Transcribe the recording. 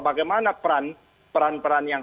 bagaimana peran peran yang